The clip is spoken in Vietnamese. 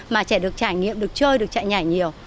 mà trẻ được trải nghiệm được chơi được chạy nhảy nhiều